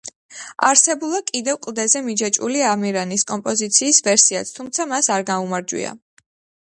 არსებულა კიდევ, „კლდეზე მიჯაჭვული ამირანის“ კომპოზიციის ვერსიაც, თუმცა მას არ გაუმარჯვია.